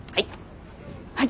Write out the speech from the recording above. はい。